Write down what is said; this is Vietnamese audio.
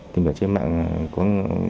tìm hiểu trên mạng là có